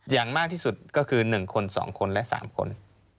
อย่างมากที่สุดก็คือ๑คน๒คนและ๓คน